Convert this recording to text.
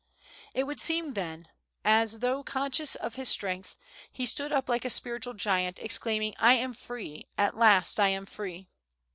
It would seem, then, as though conscious of his strength, he stood up like a spiritual giant, exclaiming, "I am free! At last I am free!"